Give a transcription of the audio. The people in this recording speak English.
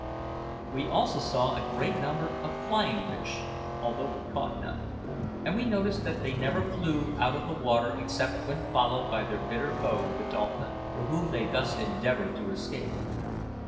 We also saw a great number of flying fish, although we caught none; and we noticed that they never flew out of the water except when followed by their bitter foe the dolphin, from whom they thus endeavoured to escape.